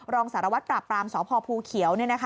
รองสารวัตรปราบปรามสพภูเขียว